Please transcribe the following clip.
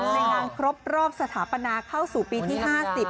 ในงานครบรอบสถาปนาเข้าสู่ปีที่๕๐